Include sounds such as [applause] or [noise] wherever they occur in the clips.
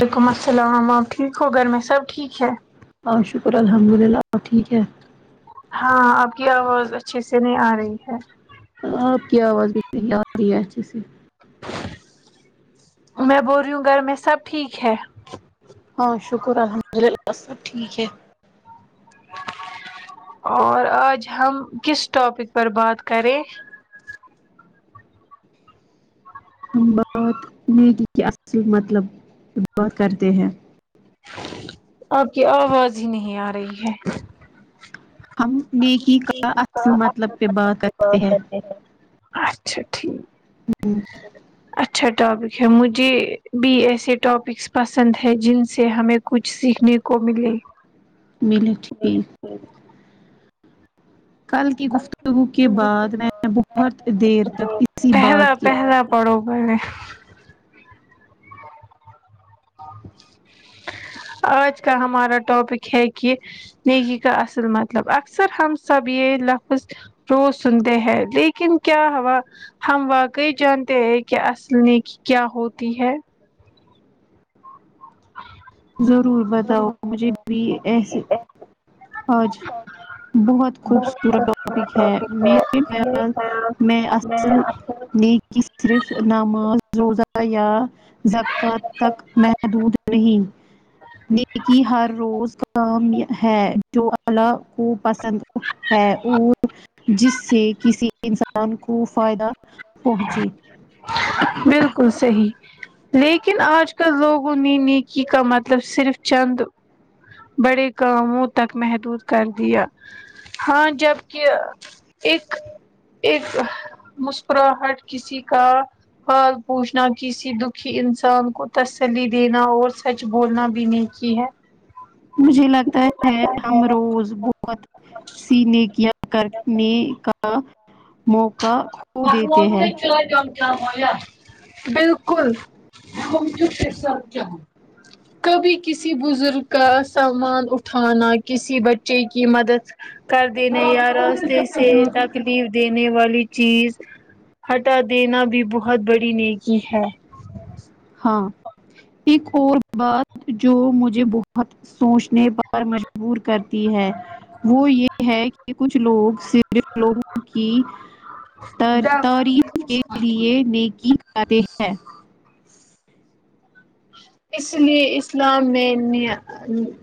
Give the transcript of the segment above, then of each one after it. وعلیکم السلام آپ ٹھیک ہو گھر میں سب ٹھیک ہے ہاں شکر الحمد للہ ٹھیک ہے ہاں آپ کی آواز اچھے سے نہیں آ رہی ہے آپ کی آواز بھی نہیں ارہی ہے اچھے سے میں بول رہی ہوں گھر میں سب ٹھیک ہے ہاں شکر الحمد للہ سب ٹھیک ہے اور آج ہم کس ٹوپک پر بات کریں ہم بات نہیں کی کہ اصل مطلب بات کرتے ہیں آپ کی آواز ہی نہیں آ رہی ہے ہم نیکی کا اصل مطلب پہ بات کرتے ہیں [unintelligible] اچھا ٹھیک ہمم اچھا ٹوپک ہے مجھے بھی ایسے ٹوپیکس پسند ہے جن سے ہمیں کچھ سیکھنے کوملے ملی ٹھیک کل کی گفتگو کے بعد میں بہت دیر تک اسی پہلا بات کے [unintelligible] آج کا ہمارا ٹوپک ہے کہ نیکی کا اصل مطلب اکثر ہم سب یہ لفظ روز سنتے ہیں لیکن کیا ہوا ہم واقعی جانتے ہیں کہ اصل نیکی کیا ہوتی ہے ضرور بتاؤ مجھے بھی ایسے آج بہت خوبصورت ٹوپک ہے میرے خیال میں اصل نیکی صرف نماز روزہ یا زکات تک محدود نہیں نیکی ہر روز کام ہے جو الله کو پسند ہے اور جس سے کسی انسان کو فائدہ پہنچے بال کل صحیح لیکن آج کل لوگوں نے نیکی کا مطلب صرف چند بڑے کاموں تک محدود کر دیا ہاں جب کہ ایک ایک مسکراہٹ کسی کا حال پوچھنا کسی دکھی انسان کو تسلی دینا اور سچ کچھ بولنا بھی نیکی ہے مجھے لگتا ہے ہم روز بہت سینے کیا کرنے کا موقع کھو مق دیتے مل تو ہیں ہی چلا جن [unintelligible] بالکل ہمم کے پصر کبھی کسی بزرگ کا سامان اٹھانا کسی بچے کی مدد کر دی نہیں یارستے سے تاکہ دینے والی چیز ہٹا دینا بھی بہت بڑی نیکی ہے ہاں ایک اور بات جو مجھے بہت سوچنے پر مجبور کرتی ہے وہ یہ ہے کہ کچھ لوگ صرف لوگوں کی ترین کے لئے نیکی کراتے ہیں اس لیے اسلام میں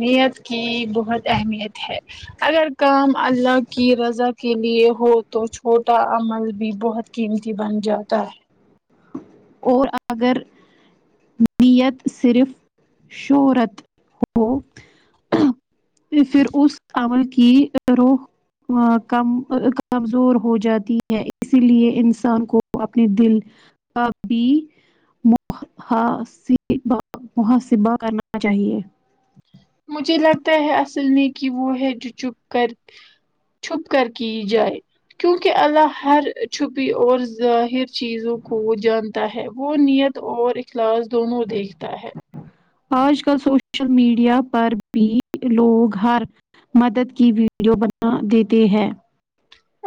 نیت کی بہت اہمیت ہے اگر کام اللہ کی رضا کے لیے ہو تو چھوٹا عمل بھی بہت قیمتی بن جاتا ہے اور اگر نیت صرف شہورت ہو پھر اس عمل کی روح کم کمزور ہو جاتی ہے اسی لیے انسان کو اپنے دل ابھی محاسبا محاسبہ کرنا چاہیے مجھے لگتا ہے اصل میں کہ وہ ہے جو چپ کر چھپ کر کی جائے کیونکہ اللہ ہر چھپی اور ظاہر چیزوں کو جانتا ہے وہ نیت اور اخلاص دونوں دیکھتا ہے آج کل سوشل میڈیا پر بھی لوگ ہر مدد کی ویڈیو بنا دیتے ہیں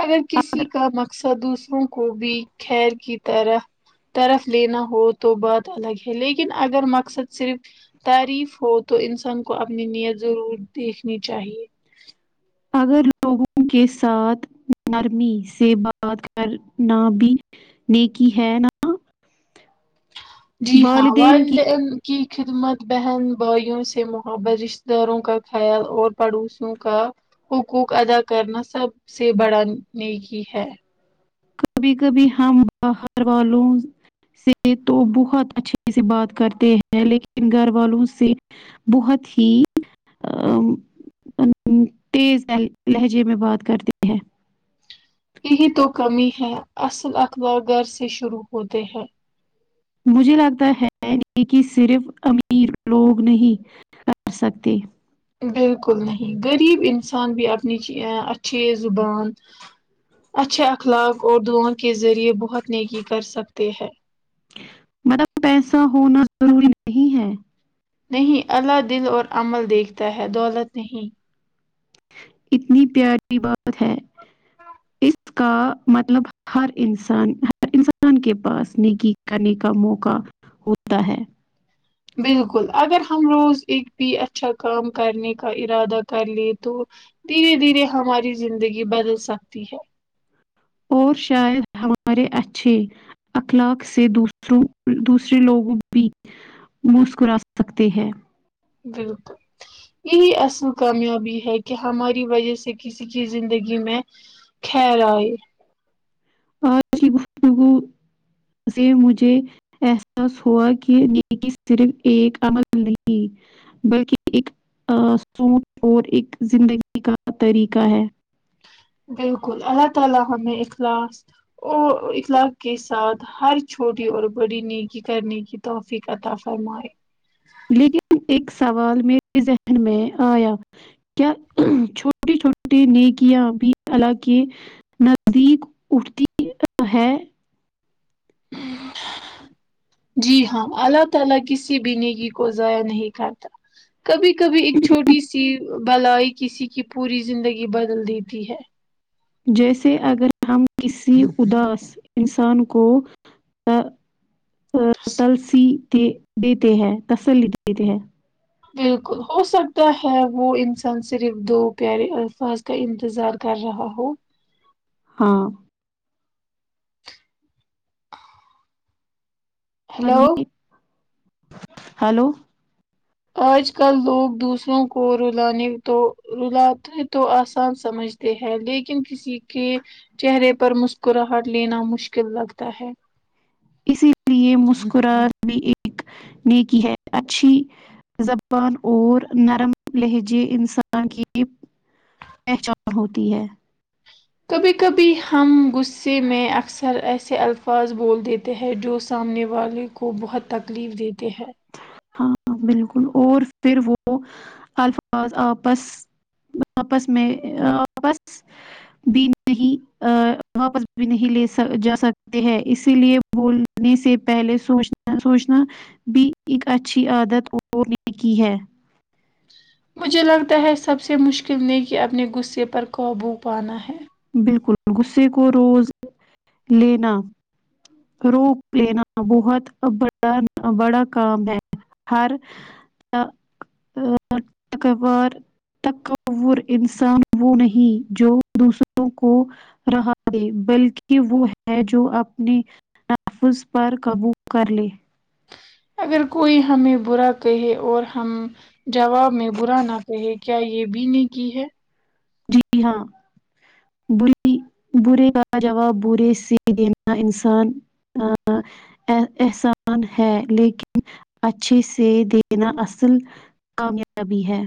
اگر کسی کا مقصد دوسروں کو بھی خیر کی طرح طرف لینا ہو تو بات الگ ہے لیکن اگر مقصد صرف تعریف ہو تو انسان کو اپنی نیت ضرور دیکھنی چاہیے اگر لوگوں کے ساتھ نرمی سے بات کرنا بھی نیکی ہے نا جی ہاں والدین ورلڈ کی کی خدمت بہن بھائیوں سے محبت رشتہ داروں کا خیال اور پڑوسیوں کا حقوق ادا کرنا سب سے بڑا نیکی ہے کبھی کبھی ہم باہر والوں سے تو بہت اچھے سے بات کرتے ہیں لیکن گھر والوں سے بہت ہی تیز لہجے میں بات کرتی ہے یہی تو کمی ہے اصل اخلاق گھر سے شروع ہوتے ہیں مجھے لگتا ہے یہ کہ صرف امیر لوگ نہیں کر سکتے بالکل نہیں غریب انسان بھی اپنی اچھی زبان اچھے اخلاق اور دعا کے ذریعے بہت نیکی کر سکتے ہیں مطلب پیسہ ہونا ضروری نہیں ہے نہیں اللہ دل اور عمل دیکھتا ہے دولت نہیں اتنی پیاری بات ہے اس کا مطلب ہر انسان ہر ان کے پاس نیکی کرنے کا موقع ہوتا ہے بالکل اگر ہم روز ایک بھی اچھا کام کرنے کا ارادہ کر لیں تو دھیرے دھیرے ہماری زندگی بدل سکتی ہے اور شاید ہمارے اچھے اخلاق سے دوسروں دوسرے لوگوں بھی مسکرا سکتے ہیں بالکل یہی اصل کامیابی ہے کہ ہماری وجہ سے کسی کی زندگی میں خیر آئے آج کی گفتگو سے مجھے احساس ہوا کہ نیکی صرف ایک عمل نہیں بلکہ ایک سوچ اور ایک زندگی کا طریقہ ہے بالکل اللہ تعالی ہمیں اخلاص ا اخلاق کے ساتھ ہر چھوٹی اور بڑی نیکی کرنے کی توفیق عطا فرمائے لیکن ایک سوال میرے ذہن میں آیا کیا چھوٹی چھوٹے نیکیاں بھی اللہ کے نزدیک اٹھتی ہے ہ جی ہاں اللہ تعالی کسی بھی نیکی کو ضائع نہیں کرتا کبھی کبھی ایک چھوٹی سی بلائی کسی کی پوری زندگی بدل دیتی ہے جیسے اگر ہم کسی اداس انسان کو تلسی دیتے ہیں تسلی دیتے ہیں بالکل ہو سکتا ہے وہ انسان صرف دو پیارے الفاظ کا انتظار کر رہا ہوں ہاں ہیلو [unintelligible] ہیلو آج کل لوگ دوسروں کو رولانے تو رلاتے تو آسان سمجھ ہے لیکن کسی کے چہرے پر مسکراہٹ لینا مشکل لگتا ہے اسی لیے مسکراہٹ بھی ایک نیکی ہے اچھی زبان اور نرم لہجے انسان کی پہچان ہوتی ہے کبھی کبھی ہم غصے میں اکثر ایسے الفاظ بول دیتے جو سامنے والے کو بہت تکلیف دیتے ہیں ہاں بالکل اور پھر وہ الفاظ آپس وہ اپس میں وپس بھی نہیں واپس بھی نہیں لے جا سکتے ہیں اسی لیے بولنے سے پہلے سوچنے سوچنا بھی ایک اچھی عادت اور نیکی ہے مجھے لگتا ہے سب سے مشکل نیکی اپنے غصے پر قابو پانا ہے بالکل غصے کو روز لینا روپ لینا بہت بڑا بڑا کام ہے ہر ا تک بار تکبیر انسان وہ نہیں جو دوسروں کو رہا دے بلکہ وہ ہے جو اپنی تحفظ پر قابو کر لے اگر کوئی ہمیں برا کہے اور ہم جواب میں برا نہ کہے کیا یہ بی نے کی ہے جی ہاں بری برے کا جواب برے سے دینا انسان ا احسان ہے لیکن اچھے سے دینا اصل کامیابی ہے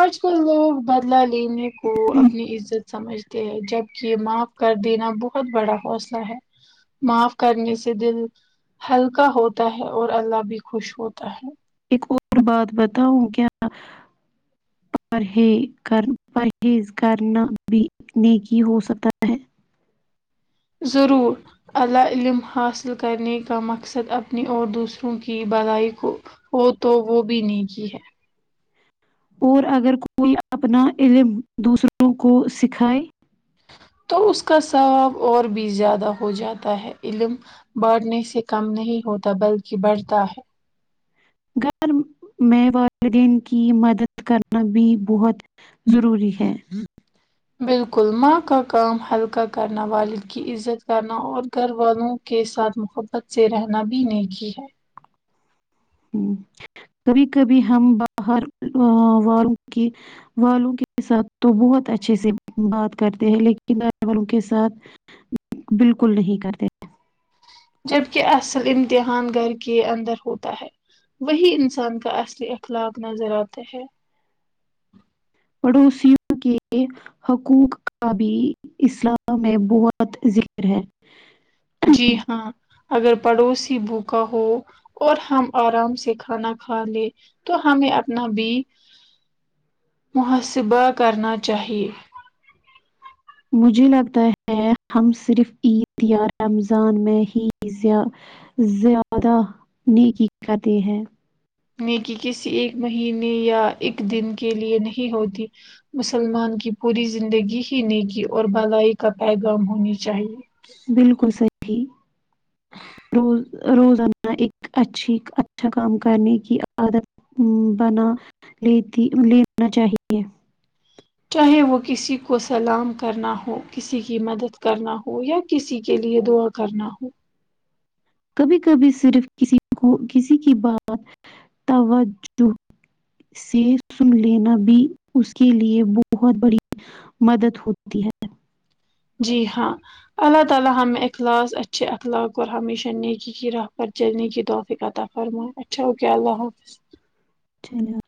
آج کل لوگ بدلا لینے کو اپنی عزت سمجھتے ہیں جبک یہ معاف کر دینا بہت بڑا حوصلہ ہے معاف کرنے سے دل ہلکا ہوتا ہے اور اللہ بھی خوش ہوتا ہے ایک اور بات بتاؤں کیا ج [unintelligible] ز پرہیز کرنا بھی نیکی ہو سکتا ہے ضرور علی علم حاصل کرنے کا مقصد اپنی اور دوسروں کی بھلائی کو وہ تو وہ بھی نیکی ہی ہے اور اگر کوئی اپنا علم دوسروں کو سکھائے تو اس کا ثواب اور بھی زیادہ ہو جاتا ہے علم بڑھنے سے کم نہیں ہوتا بلکہ بڑھتا ہے گھر میں والدین کی مدد کرنا بھی بہت ضروری ہے بالکل ماں کا کام ہلکا کرنا والد کی عزت کرنا اور گھر والوں کے ساتھ محبت سے رہنا بھی نیکی ہے ہ کبھی کبھی ہم باہر والوں کی والوں کے ساتھ تو بہت اچھے سے بات کرتے ہیں لیکن گ والوں کے ساتھ [unintelligible] بالکل نہیں کرتے جبک اصل امتحان گھر کے اندر ہوتا ہے وہی انسان کا اصلی اخلاق نظر آتے ہے پڑوسی ہو کے حقوق کا بھی اسلام میں بہت ذکر ہے جی ہاں اگر پڑوسی بھوکا ہو اور ہم آرام سے کھانا کھا لے تو ہمیں اپنا بھی محاسبہ کرنا چاہیے مجھے لگتا ہے ہم صرف عید یا رمضان میں ہی یا زیادہ نیکی کردی ہیں یہ کہ کسی ایک مہینے یا ایک دن کے لیے نہیں ہوتی مسلمان کی پوری زندگی ہی نیکی اور بھلائی کا پیغام ہونی چاہیے بالکل صحیح روز روزانہ ایک اچھی اچھا کام کرنے کی عادت ہ بنا لیتی لےنہ چاہیے چاہے وہ کسی کو سلام کرنا ہو کسی کی مدد کرنا ہو ہو یا کسی کے لیے دعا کرنا ہو کبھی کبھی صرف کسی کو کسی کی بات توجہ سے سن لینا بھی اس کے لیے بہت بڑی مدد ہوتی ہے جی ہاں اللہ تعالی ہم اخلاص اچھے اخلاق اور ہمیشہ نیکی کی راہ پر جلنے کی توفیق عطا فرمائے فرما اچھا اوکے اللہ حافظ چلے